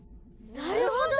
なるほど！